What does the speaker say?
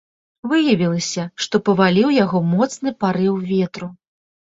Выявілася, што паваліў яго моцны парыў ветру.